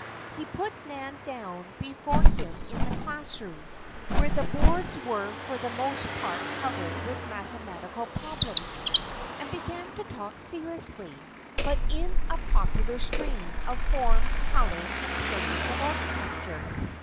He put Nan down before him in the classroom, where the boards were for the most part covered with mathematical problems, and began to talk seriously, but in a popular strain, of form, color, and periods of architecture.